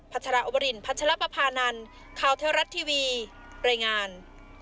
พัฒนาอบรินพัฒนาปะพานันข่าวเที่ยวรัฐทีวีบริงาร